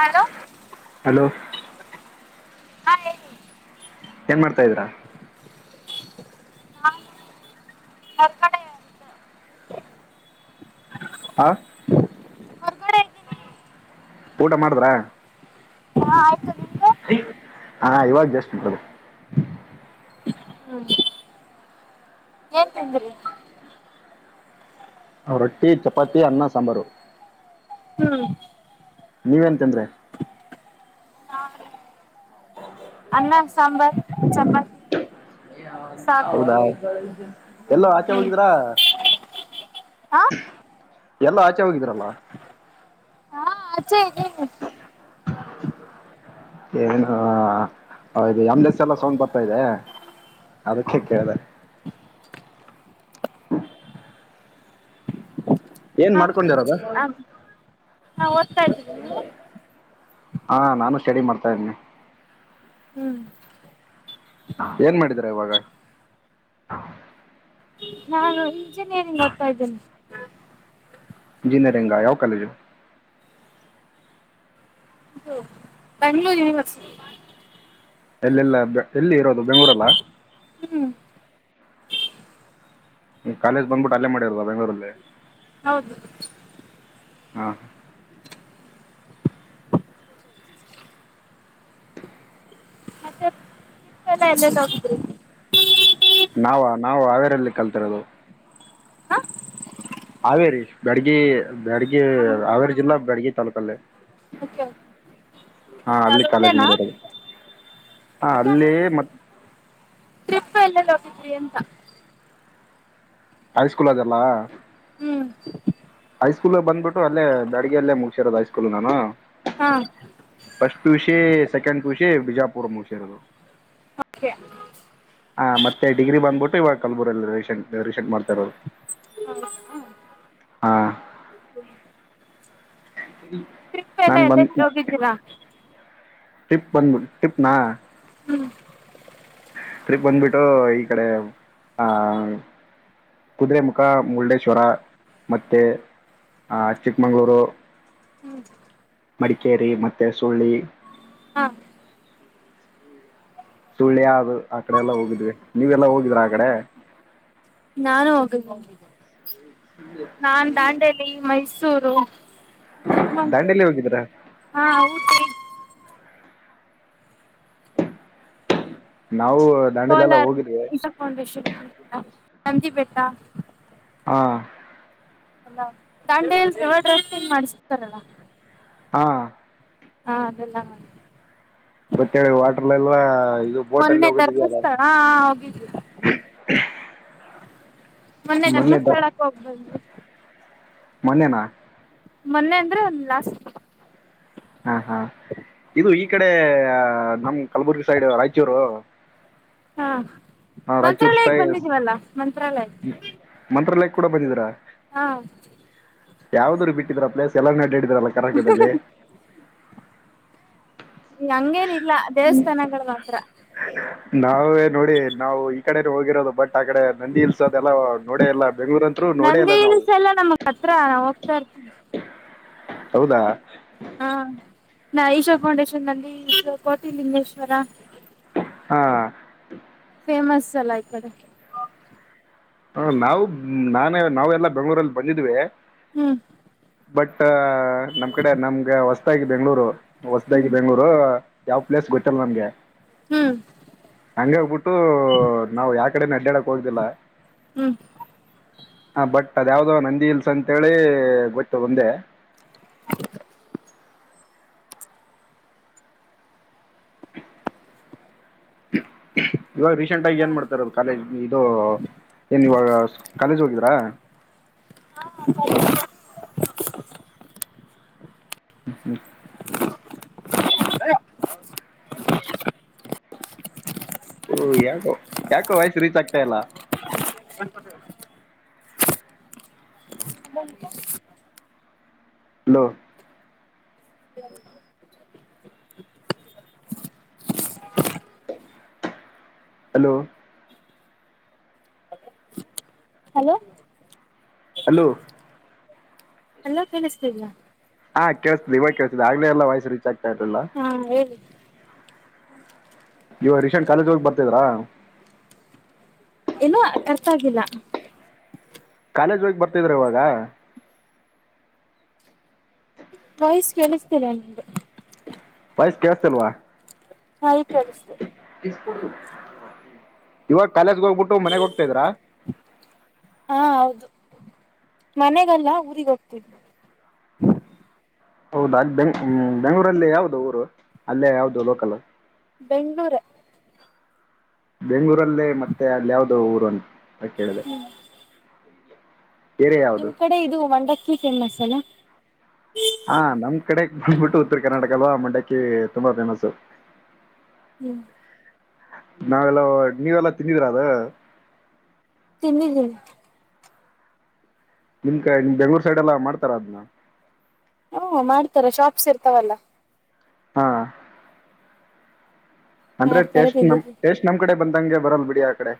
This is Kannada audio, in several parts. ಹಲೋ ಹಲೋ ಹಾ ಹೇಳಿ [unintelligible] ಏನ್ ಮಾಡ್ತಾ ಇದ್ದೀರಾ. ನಾನು [unintelligible] ಹಾ ಹೊರಗಡೆ ಇದ್ದೀನಿ ಊಟ ಮಾಡಿದ್ರ ಹಾಂ ಆಯಿತು ನಿಮ್ಮದು ಹಾ ಇವಾಗ ಜಸ್ಟ್. [unintelligible] ಹ್ಮ [unintelligible] ಏನ್ ತಿಂದ್ರಿ. ರೊಟ್ಟಿ ಚಪಾತಿ ಅನ್ನ ಸಾಂಬಾರ. ಹ್ಮ್ ನೀವ್ ಏನ್ ತಿಂದ್ರಿ. [unintelligible] ಅನ್ನ ಸಾಂಬಾರ್ ಚಪತ್ ಹೌದಾ ಎಲ್ಲೋ ಆಚೆ ಹಾಂ ಹೋಗಿದ್ರಾ. ಎಲ್ಲೋ ಆಚೆ ಹೋಗಿದ್ರಲ್ಲ. [unintelligible] [unintelligible] ಏನೋ [unintelligible] ಅಮ್ಲೆಸ್ ಎಲ್ಲ ಸೊಂಡ್ ಬರ್ತಾ ಇದೆ. ಅದಕ್ಕೆ ಕೇಳಿದೆ. ಏನ್ ಹೌದು ಮಾಡ್ಕೊಂಡಿರೋದು [unintelligible] ಓದ್ತಾ [unintelligible] ಹಾ ನಾನು ಸ್ಟಡಿ ಮಾಡ್ತಾ ಇದೀನಿ. ಹ್ಮ್ ಏನ್ ಮಾಡಿದಿರಾ [unintelligible] ಇವಾಗ. ನಾನು ಇಂಜಿನಿಯರಿಂಗ್ ಓದ್ತಾ ಇದ್ದೇನೆ. ಇಂಜಿನಿಯರಿಂಗ ಯಾವ ಕಾಲೇಜು. ಇದು ಬೆಂಗಳೂರು ಯೂನಿವರ್ಸಟಿ. ಎಲ್ಲೆಲ್ಲ ಎಲ್ಲಿ ಇರೋದು ಬೆಂಗಳೂರಲ್ಲ. ಹ್ಮ್ ನಿಮ್ಮ ಕಾಲೇಜ ಬಂದ್ಬಿಟ್ಟುಅಲ್ಲೇ ಮಾಡಿರೋದ ಬೆಂಗಳೂರಲ್ಲಿ. ಹೌದು ಹಾ ಎಲೆಲ್ಲಿ ಹೋಗಿದ್ರಿ ನಾವ ನಾವು ಹಾವೇರಲ್ಲಿ ಕಲ್ತಿರೋದು. ಹಾಂ ಹಾವೇರಿ ಬ್ಯಾಡ್ಗಿ ಬ್ಯಾಡ್ಗಿ ಹಾಂ ಹಾಂ ಹಾವೇರಿ ಹಾಂ ಜಿಲ್ಲಾ ಹಾಂ ಬ್ಯಾಡ್ಗಿ ತಾಲೂಕಲ್ಲಿ. ಓಕೆ ಓಕೆ ಹಾ ಅಲ್ಲಿ ಕಾಲೇಜ್ ಅದೊಂದೇನಾ ಮಾಡಿರೋದು ಹಾ ಅಲ್ಲ ಅಲ್ಲಿ ಮತೆ. ಟ್ರಿಪ್ [unintelligible] ಅಂತ ಹೈ ಸ್ಕೂಲ್ ಅದೆಲ್ಲ. ಹ್ಮ್ ಹೈ ಸ್ಕೂಲ್ ಬಂದ್ಬಿಟ್ಟು ಅಲ್ಲೇ ಬ್ಯಾಡಗೆಯಲ್ಲೇ ಮುಗಸಿರೋದು ಹೈ ಸ್ಕೂಲ್ ನಾನು. ಹಾ first P U C, second P U C Bijapur ಅಲ್ಲಿ ಮುಗಿಸಿರೋದು ನಾನು. ಓಕೆ ಹಾ ಮತ್ತೆ ಡಿಗ್ರಿ ಬಂದಬಿಟ್ಟು ಇವಾಗ ಕಲಬುರಲ್ಲಿಟ್ ರೀಸೆಟ್ ಮಾಡತಿರೋದು. ಹೌದ. ಹಾ [inaudible] ಟ್ರಿಪ್ ಎಲ್ಲ ಬಂದ್ ಎಲೇಲಿ ಹೋಗಿದ್ದೀರಾ. ಟ್ರಿಪ್ ಬಂದಬಿಟ್ಟು ಟ್ರಿಪ್ನಾ. ಹ್ಮ್ ಟ್ರಿಪ್ ಬಂದ್ಬಿಟ್ಟು ಈ ಕಡೆ ಆ. ಕುದುರೆಮುಖ ಮುರುಡೇಶ್ವರ ಮತ್ತೆ. ಆಹ ಚಿಕ್ಕಮಂಗ್ಗಳೂರು ಹ್ಮ್ ಮಡಿಕೇರಿ ಮತ್ತೆ ಸುಳ್ಳಿ. ಹಾ ಸುಳ್ಯ ಅದು ಆಕಡೆ ಎಲ್ಲ ಹೋಗಿದ್ವಿ ನೀವೆಲ್ಲಾ ಹೋಗಿದ್ರ ಆಕಡೆ. ನಾನು ಹೋಗಿದ್ವು. ನಾನ್ ದಾಂಡೇಲಿ, ಮೈಸೂರು, ದಾಂಡೇಲಿ ಚಿಕ್ಕಮಂಗಳೂರು ಹೋಗಿದ್ರ ಹಾ ಹೌದ್ರಿ. ನಾವು ದಾಂಡೇಲಿ ಎಲ್ಲ ಕೋಲಾರ್ ಹೋಗಿದ್ವಿ ಇಶಾಫೌಂಡೇಶನ್ ನಂದಿಬೆಟ್ಟ. ಹಾ ದಾಂಡೇಲಿ ಅಲ್ಲಿ [unintelligible] ಮಾಡ್ತಾರಲ್ಲ. ಹಾ ಹಾ ಅದೆಲ್ಲ. ಮತ್ತೆ ವಾಟರ್ಲೆಲ್ಲ ಇದು. ಬೋಟ್ ಅಲ್ಲಿ ಮೊನ್ನೆ ಹೋಗೋದಿದೆಯಲ್ಲ ಧರ್ಮಸ್ಥಳ ಹೋಗಿದ್ವಿ. ಮೊನ್ನೆ ಧರ್ಮಸ್ಥಳಕ್ಕೆ ಹೋಗಿ ಬಂದ್ವಿ. ಮೊನ್ನೆನಾ. ಮೊನ್ನೆ ಅಂದ್ರೆ ಒಂದು ಲಾಸ್ಟ್ ಹಾ ಹಾ ಇದು ಈಕಡೆ ನಮ್ ಕಲಬುರ್ಗಿ ಸೈಡ್ ರಾಯಚೂರು ಹಾ ಹಾ ರಾಯಚೂರು ಸ್ಟೈ ಮಂತ್ರಾಲಯಕ್ಕೆ ಬಂದಿದೀವಲ್ಲಾ ಮಂತ್ರಾಲಯ. ಮಂತ್ರಾಲಯ ಕೂಡ ಬಂದಿದೀರಾ. ಹಾ ಯಾವ್ದ್ರು ಬಿಟ್ಟಿದ್ರ ಪ್ಲೇಸ್ ಎಲ್ಲ ನಡ್ಡಿದರಲ್ಲ ಕರ್ನಾಟದಲ್ಲಿ ಈ ಹಂಗೇನ ಇಲ್ಲ ದೇವಸ್ಥಾನಗಳ ಮಾತ್ರ ನಾವುವೆ ನೋಡಿ ನಾವು ಈ ಕಡೆ ಹೋಗಿರೋದು ಬಟ್ ಆ ಕಡೆ ನಂದಿ ಹಿಲ್ಸ್ ಅದೆಲ್ಲ ನೋಡೇ ಇಲ್ಲ ಬೆಂಗಳೂರ್ ಅಂತ್ ನಂದಿ ಹಿಲ್ಸ್ ಎಲ್ಲಾ ನಮಗ್ ಹತ್ರ ನಾ ಹೋಗ್ತಾ ಇರ್ತೀವಿ ಹೌದಾ ಹಾಂ ನಾ ಈಶಾ ಫೌಂಡೇಶನ್ ಅಲ್ಲಿ ಕೋಟಿ ಲಿಂಗೇಶ್ವರ ಹಾಂ ಫೇಮಸ್ ಅಲ್ಲ ಈ ಕಡೆ ಹಾಂ ನಾವು ನಾನೇ ನಾವೆಲ್ಲಾ ಬೆಂಗಳೂರಲ್ಲಿ ಬಂದಿದ್ವಿ ಹ್ಮ್ ಬಟ್ ನಮ್ ಕಡೆ ನಮ್ಗೆ ಹೊಸದಾಗಿ ಬೆಂಗ್ಳೂರು ಹೊಸದಾಗಿ ಹ್ಮ್ ಬೆಂಗ್ಗಳೂರು ಯಾವ್ ಪ್ಲೇಸ್ ಗೊತ್ತಲ್ಲ ನಮ್ಗೆ ಹ್ಮ್ ಹಂಗೆ ಹೊಗ್ ಬಿಟ್ಟು ನಾವು ಯಾ ಕಡೆನು ಅಡ್ಡಾಡಕ್ ಹೋಗ್ದಿಲ್ಲ ಹ್ಮ್ ಹಾಂ ಬಟ್ ಅದ ಯಾವ್ದೋ ನಂದಿ ಹಿಲ್ಸ್ ಅಂತೇಳಿ ಗೊತ್ ಒಂದೇ [unintelligible] [inaudible] ಇವಾಗ ರೀಸೆಂಟ್ ಆಗಿ ಏನ್ ಮಾಡ್ತಾರೋದು ಕಾಲೇಜ್ ಇದು ಏನ್ ಇವಾಗ ಕಾಲೇಜ್ ಹೋಗಿದ್ರಾ [inaudible] [inaudible] [inaudible] ಓ ಯಾಕೋ ಯಾಕೋ ವಾಯ್ಸ್ ರೀಚ್ ಆಗ್ತಾ ಇಲ್ಲ [unintelligible] [unintelligible] ಲೋ [unintelligible] ಹಲೋ ಹಲೋ ಅಲೋ ಎಲ್ಲ ಕೇಳಿಸ್ತಿದಿಯಾ ಹಾ ಕೇಸ್ತ್ವ ಕೇಳ್ತ್ ಆಗ್ಲೇಲ್ಲ ವಾಯ್ಸ್ ರೀಚ್ ಆಗ್ತಾ ಇರ್ಲಿಲ್ಲ ಹಾಂ ಹೇಳಿ ಇವಾಗ ರಿಸೆಂಟ್ ಕಾಲೇಜ ಹೋಗಿ ಬರ್ತಿದ್ರಾ ಏನು ಅರ್ತ ಆಗಿಲ್ಲ ಕಾಲೇಜ್ ಹೋಗಿ ಬರ್ತಿದ್ರ ಇವಾಗ ವಾಯ್ಸ್ ಕೇಸ್ತಿದೆ ನಂಗೆ ವಾಯ್ಸ್ ಕೇಳ್ಸ್ತೀಲ್ವಾ ಹಾಂ ಈಗ ಕೇಳ್ಸ್ತಾ ಇವಾಗ ಕಾಲೇಜ್ಗೆ ಹೋಗ್ಬಿಟ್ಟು ಮನೆಗ್ ಹೋಗ್ತಾ ಇದಿರಾ ಹಾಂ ಹೌದು ಮನೆಗಲ್ಲ ಊರಿಗೆ ಹೋಗ್ತಿನ್ ಹೌದ ಅಲ್ಲಿ ಬೆಂಗ್ ಹ್ಮ್ ಬೆಂಗ್ಗಳೂರಲ್ಲಿ ಯಾವುದು ಊರು ಅಲ್ಲೇ ಯಾವುದು ಲೋಕಲ್ ಬೆಂಗಳೂರ್ರೆ ಬೆಂಗಳೂರಲ್ಲಿ ಮತ್ತೆ ಅಲ್ಲಿ ಯಾವುದೋ ಊರುಂತ ಕೇಳಿದೆ ಏರಿಯಾ ಯಾವ್ದು ನಿಮ್ ಕಡೆ ಇದು ಮಂಡಕ್ಕಿ ಫೇಮಸ್ ಅಲ ಹಾ ನಮ್ ಕಡೆ ಬಂದ್ಬಿಟ್ಟು ಉತ್ತರ ಕರ್ನಾಟಕಲ್ಲವಾ ಮಂಡಕ್ಕಿ ತುಂಬಾ ಫೇಮಸ್ ಹ್ಮ್ [unintelligible] ನಾವೆಲ್ಲೊ ನೀವೆಲ್ಲಾ ತಿಂದಿದೀರಾ ಅದು. ತಿಂದಿದೀನಿ. [unintelligible] ನಿಮ್ ಕ ನಿಮ್ ಬೆಂಗಳೂರು ಸೈಡೆ ಎಲ್ಲ ಮಾಡ್ತಾರ ಅದ್ನ. ಹು ಮಾಡ್ತಾರೆ ಶಾಪ್ಸ್ ಇರ್ತಾವಲ್ಲ. ಹಾ [unintelligible] ಅಂದ್ರೆ ಮಾಡ್ತಾರೆ ಟೇಸ್ಟ್ [unintelligible] ನಮ್ ತಿಂದಿದ್ದೀನಿ ಟೇಸ್ಟ್ ನಮ್ ಕಡೆ ಬಂದಂಗೆ ಬರಲ್ ಬಿಡಿ ಆ ಕಡೆ.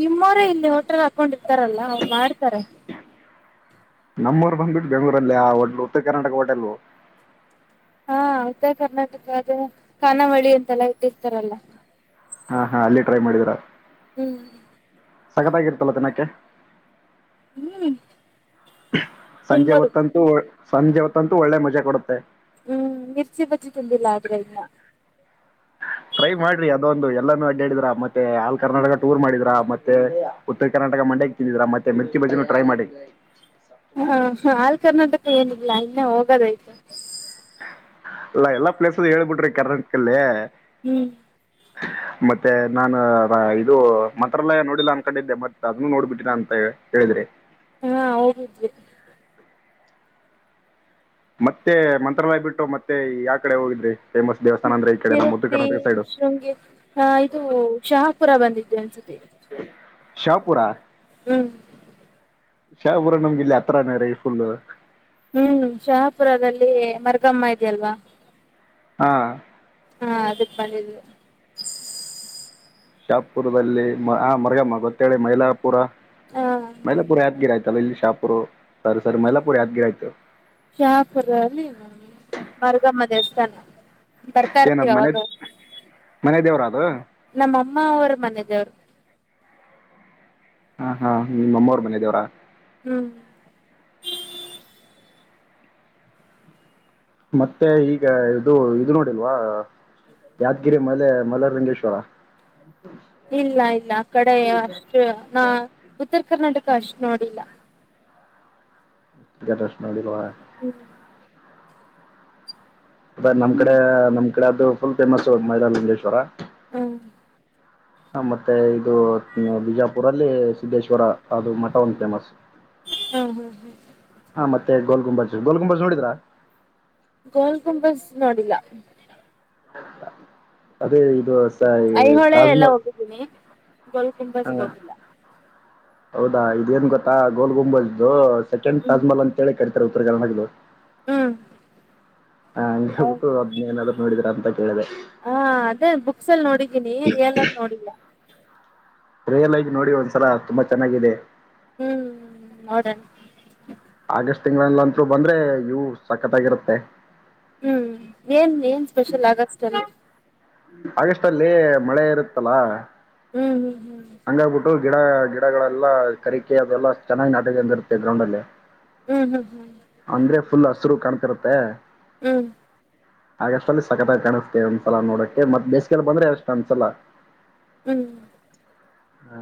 ನಿಮ್ಮ್ ಅವ್ರೆ ಇಲ್ಲಿ ಹೋಟ್ರೆಲ್ ಹಾಕೊಂಡ ಇರ್ತಾರಲ್ಲ ಅವ್ರು ಮಾಡ್ತಾರೆ. ನಮ್ಮ್ಊರು ಬಂದಬಿಟ್ಟು ಬೆಂಗಳೂರಲ್ಲಿ ಆ [unintelligible] ಉತ್ತರ ಕರ್ನಾಟಕ ಹೋಟೆಲು. ಹಾ ಉತ್ತರ ಕರ್ನಾಟಕದೆ ಕಾನಾವಳಿ ಅಂತೆಲ್ಲ ಇಟಿರ್ತಾರಲ್ಲ. ಹಾ ಹಾ ಅಲ್ಲಿ ಟ್ರೈ ಮಾಡಿದಿರ. ಹ್ಮ್ ಸಕ್ಕತಗಿರ್ತಲ್ಲ ತಿನ್ನಕ್ಕೆ. ಹ್ಮ್ ಸಂಜೆ ತಿನ್ಬೋದು ಹೊತ್ತಂತೂ ಸಂಜೆ ಹೊತ್ತಂತೂ ಒಳ್ಳೆ ಮಜಾ ಕೊಡುತ್ತೆ. ಹ್ಮ್ ಮಿರ್ಚಿ ಬಜ್ಜಿ ತಿಂದಿಲ್ಲ ಆದ್ರೆ ಇನ್ನ. ಟ್ರೈ ಮಾಡ್ರಿ ಅದೊಂದು ಎಲ್ಲಾನೂ ಅಡ್ಡಾಡಿದ್ರ ಮತ್ತೆ ಆಲ್ ಕರ್ನಾಟಕ ಟೂರ್ ಮಾಡಿದ್ರಾ ಮತ್ ತ್ತೆ ಉತ್ತರ ಕರ್ನಾಟಕ ಮಂಡಕ್ಕಿ ತಿಂದಿದ್ರಾ ಮತ್ತೆ ಮಿರ್ಚಿ ಬಜ್ಜಿನು ಟ್ರೈ ಮಾಡಿ. ಹ ಹಾಲ್ ಕರ್ನಾಟಕ ಏನಿಲ್ಲ ಇನ್ನ ಹೋಗದೈತೆ. [unintelligible] ಎಲ್ಲಾ ಪ್ಲೇಸ್ ಹೇಳ್ಬಿಟ್ರಿ ಕರ್ನಾಟಕಲ್ಲೇ. ಹ್ಮ್ ಹ ಮತ್ತೆ ನಾನ [unintelligible] ಇದು ಮಂತ್ರಾಲಯ ನೋಡಿಲ್ಲ ಅನ್ಕೊಂಡಿದ್ದೆ ಮತ್ ಅದನ್ನು ನೋಡ್ಬಿಟ್ಟಿ [unintelligible] ಅಂತ ಹೇಳಿದ್ರಿ. ಹಾ ಹೋಗಿದ್ವಿ. ಮತ್ತೆ ಮಂತ್ರಾಲಯ ಬಿಟ್ಟು ಮತ್ತೆ ಯಾವ ಕಡೆ ಹೋಗಿದ್ರಿ ಫೇಮಸ್ ದೇವಸ್ಥಾನ ಅಂದ್ರೆ ಈ ಕಡೆ ನಮ್ಮ ಉತ್ತರ್ ಕರ್ನಾಟಕ ಸೈಡ್ ಹಂಗೆ ಹಾ ಇದು ಶಹಾಪುರ ಬಂದಿದ್ದೆ. [unintelligible] ಶಾಪುರ. [unintelligible] [unintelligible] ಶಪುರ ನಮಗೆ ಇಲ್ಲಿ ಅತ್ರನೇ ರೀ [unintelligible] ಫುಲ್ ಹ್ಮ್ ಶಹಪುರದಲ್ಲಿ ಮರ್ಗಮ್ಮ ಇದೆಯಲ್ವಾ. ಹಾ ಹಾ ಅದಕ್ ಬಂದಿದ್ವಿ. ಶಾಪುರದಲ್ಲಿ [unintelligible] ಮರ್ಗಮ್ಮ ಗೊತ್ತೇಳಿ ಮೈಲಾಪುರ. ಹಾ [unintelligible] ಯಾದ್ಗಿರಿ ಆಯ್ತು ಇಲ್ಲಿ ಶಪುರ್ ಸಾರೀ ಸಾರೀ ಮೈಲಾಪುರ ಯಾದ್ಗಿರಿ [unintelligible] ಶಾಪುರಗದಲ್ಲಿ ಮರ್ಗಮ್ಮ ದೇವಸ್ಥಾನ. ಬರ್ತಾ ಇರ್ತೀವ ಏನದ್ ಮನೆ ಅವಾಗ ಅವಾಗ ಮನೆ ದೇವ್ರ ಅದು ನಮ್ಮ ಅಮ್ಮ ಅವ್ರ ಮನೆ ದೇವರ್. ಹಾ ಹಾ ನಿಮ್ಮಮ್ಮ ಅವ್ರ್ ಮನೆದೇವರ. ಹ್ಮ್ ಮತ್ತೆ ಈಗ ಇದು ಇದು ನೋಡಿಲ್ವಾ ಯಾದ್ಗೀರಿ ಮಲೆ ಮೈಲಾರಲಿಂಗೇಶ್ವರ. [unintelligible] ಇಲ್ಲ ಇಲ್ಲ ಆ ಕಡೆ ಅಷ್ಟು [unintelligible] ಉತ್ತರ ಕರ್ನಾಟಕ ಅಷ್ಟು ನೋಡಿಲ್ಲ. [unintelligible] ಹ್ಮ [unintelligible] [unintelligible] ನಮ್ ಕಡೆ ನಮ್ಮ ಕಡೆ ಅದು ಫುಲ್ ಫೇಮಸ್ ಮೈಲಾರ ಲಿಂಗೇಶ್ವರ. ಹಾ ಹ ಮತ್ತೆ ಇದು ಬಿಜಾಪುರಲ್ಲಿ ಸಿದ್ದೇಶ್ವರ ಅದು ಮಠ ಒಂದು ಫೇಮಸ್. ಹಾ ಹಾ ಹಾ ಹಾ ಮತ್ತೆ ಗೊಲ್ಗುಬಜ್ ಗೊಲ್ಗುಬಜ್ ನೋಡಿದ್ರ. ಗೋಲ್ಗುಂಬಜ ನೋಡಿಲ್ಲ. ಅದೇ ಇದು. ಸ- ಈ ಐಹೊಳೆ ಎಲ್ಲಾ ತಾಜ್ಮಹಲ್ ಹೋಗಿದ್ದೀನಿ ಹಾ ಗೊಲ್ಗುಬಜಗೆ ಹೋಗಿಲ್ಲ ಹೌದಾ ಇದೇಏನ್ ಗೊತ್ತಾ ಗೋಲ್ ಗೊಲ್ಗುಬಜ್ ಸೆಕೆಂಡ್ ತಾಜ್ಮಹಲ್ ಅಂತ ಹೇಳಿ ಕರೀ ತಾರೆ ಉತ್ತರಕರ್ನಾಟಕ ದವರು. ಹ್ಮ್ ಹಾ ಹಂಗೆ ಬಿಟ್ಟೂ ಅದ್ನ್ನ ಏನಾದ್ರೂ ನೋಡಿದ್ರಾ ಅಂತ ಕೇಳಿದೆ. ಹಾ ಅದೇ ಬುಕ್ಸ್ ಅಲ್ಲಿ ನೋಡಿದೀನಿ ರಿಯಲ್ ಆಗಿ ನೋಡಿಲ್ಲ. ರಿಯಲ್ ಆಗಿ ನೋಡಿ ಒಂದ್ಸಲ ತುಂಬಾ ಚೆನ್ನಾಗಿದೆ. ಹ್ಮ್ ನೋಡಣ. ಆಗಸ್ಟ್ ತಿಂಗಳಲ್ಲಂತರು ಬಂದ್ರೆ ವ್ಯೂ ಸಕತಾಗಿರುತ್ತೆ. ಹ್ಮ್ ಏನ್ ಏನ್ ಸ್ಪೆಷಲ್ ಆಗಷ್ಟಲ್ಲಿ. ಆಗಸ್ಟ್ ಅಲ್ಲಿ ಮಳೆ ಇರುತ್ತಲಾ. ಹ್ಮ್ ಹ್ಮ್ ಹ್ಮ್ ಹಂಗಾಗ್ಬಿಟ್ಟು ಗಿಡ ಗಿಡಗಳೆಲ್ಲಾ ಕರಿಕೆ ಅದೆಲ್ಲಾ ಚೆನ್ನಾಗಿ ನಾಟಕೊಂಡಿರುತ್ತೆ ಗ್ರೌಂಡ್ ಅಲ್ಲಿ. ಹ್ಮ್ ಹ್ಮ್ ಹ್ಮ್ ಅಂದ್ರೆ ಫುಲ್ ಹಸರು ಕಾಣ್ತಿರತ್ತೆ. ಹ್ಮ್ ಆಗಸ್ಟ್ ಅಲ್ಲಿ ಸಕತಾಗಿ ಕಾಣ್ತತೆವೆ ಒಂದ್ಸಲ ನೋಡಕಕ್ಕೆ ಮತ್ ಬೇಸಿಕಲ್ಲಿ ಬಂದ್ರೆ ಅಷ್ಟು ಅನ್ಸಲ. ಹ್ಮ್ ಹಾ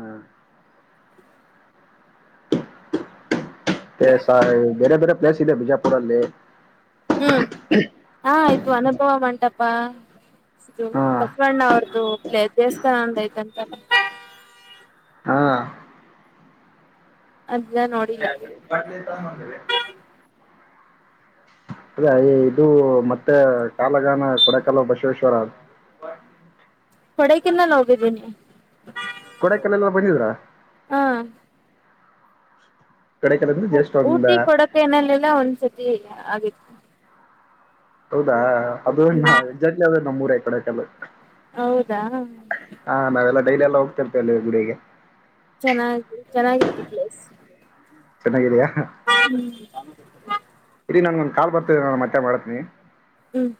ಎ ಸಾರೀ ಬೇರೆ ಬೇರೆ ಪ್ಲೇಸ್ ಇದೆ ಬಿಜಾಪುರದಲ್ಲಿ. ಹ್ಮ್ ಹಾ ಇದು ಅನುಭವ ಮಂಟಪಾ. ಇದು ಹಾ ಬಸವಣ್ಣ ಅವ್ರ್ದು ದೇವಸ್ಥಾನ ಒಂದ ಐತಂತಲ್ಲ. ಹಾ ಅದ್ನ್ನ ನೋಡಿಲ್ಲ. ಬಟ್ಲಿ ತಂಗೊಂಡ ಬಂದಿರಿ. ಅದೇಯ ಇದು ಮತ್ತೆ ಕಾಲಗಾನ ಕೊಡಕಲು ಬಸವೇಶ್ವರ. ಕೊಡಕನ್ನಲ್ಲ ಹೋಗಿದ್ದೀನಿ. ಕೊಡಿಕೇನ್ನಲ ಬಂದಿದ್ರಾ. ಹಾ ಕೊಡಕಲ್ ಅಂದ್ರೆ ಜಸ್ಟ್ ಒಂದ ಊಟಿ ಕೊಡೋಕೆನಲ್ಲೆಲ್ಲ ಒಂದ್ಸತಿ ಆಗಿತ್ತು. ಹೌದಾ ಅದುಾ ಹ್ಮ್ ಎಕ್ಸಾಕ್ಟ್ಲಿ ಅದೆ ನಮ್ಮೂರೇ ಕೊಡೆಕಲ್ಲು. ಹೌದಾ. ಹಾ ನಾವೆಲ್ಲ ಡೈಲಿ ಅಲ್ಲ ಹೋಗ್ತಿರ್ತೇವೆಲ್ಲಿ ಗುಡಿಗೆ. ಚೆನ್ನಾಗಿ ಚೆನ್ನಾಗಿತ್ತು ಪ್ಲೇಸ್. ಚನ್ನಗಿದ್ದೆಯಾ. ಹ್ಮ್ ರಿ ನಾನಗೊಂದು ಕಾಲ್ ಬರ್ತಿದೆ ನಾನ ಮತ್ತೆ ಮಾಡತೀನಿ. ಹ್ಮ್